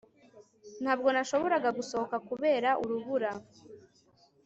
ntabwo nashoboraga gusohoka kubera urubura